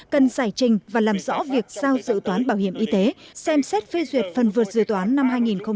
cần giải trình và làm rõ việc sao dự toán bảo hiểm y tế xem xét phê duyệt phần vượt dự toán năm hai nghìn một mươi tám